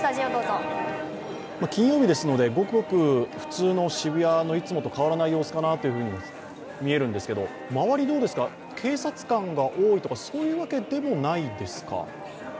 金曜日ですので、ごくごく普通の渋谷のいつもと変わらない様子かなと見えるんですが周り、警察官が多いとか、そういうわけでもないですか？